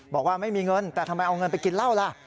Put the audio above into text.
บอกว่าไม่มีเงินแต่ทำไมเอาเงินไปกินเหล้าล่ะ